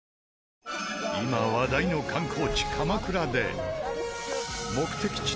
今話題の観光地鎌倉で。